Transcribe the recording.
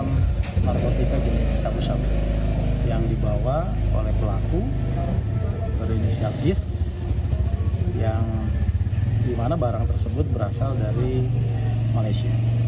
satu kg sabu yang dibawa oleh pelaku dari indonesia bis yang dimana barang tersebut berasal dari malaysia